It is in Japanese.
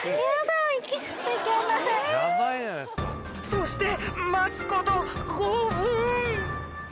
［そして待つこと５分］